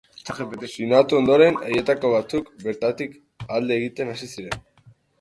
Sinatu ondoren haietako batzuk bertatik alde egiten hasi ziren.